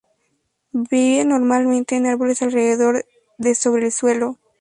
Viven normalmente en árboles, alrededor de sobre el suelo.